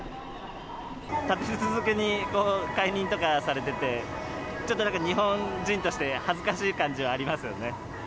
立て続けに解任とかされてて、ちょっと日本人として、恥ずかしい感じはありますよね。